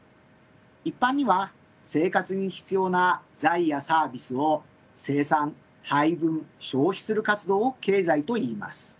一般には生活に必要な財やサービスを生産・配分・消費する活動を経済といいます。